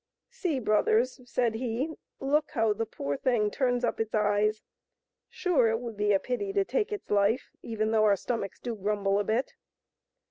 " See, brothers," said he, look how the poor thing turns up its eyes. Sure it would be a pity to take its life, even though our stomachs do grumble a bit."